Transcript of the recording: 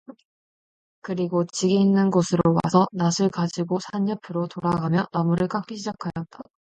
그리고 지게 있는 곳으로 와서 낫을 가지고 산 옆으로 돌아가며 나무를 깎기 시작하였다.